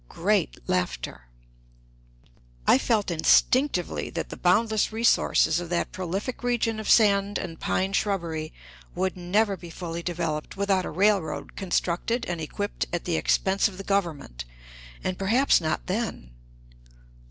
(Great laughter.) I felt instinctively that the boundless resources of that prolific region of sand and pine shrubbery would never be fully developed without a railroad constructed and equipped at the expense of the Government, and perhaps not then.